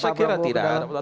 saya kira tidak